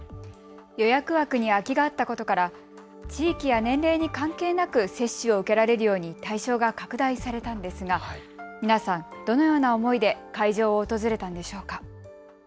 予約枠に空きがあったことから地域や年齢に関係なく接種を受けられるように対象が拡大されたんですが皆さん、どのような思いで会場を訪れたんでしょうか。